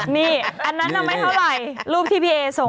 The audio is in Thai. นี่อันนั้นน่ะไม่เท่าไหร่รูปที่พี่เอส่ง